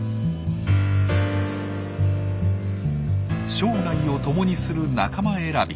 生涯を共にする仲間選び。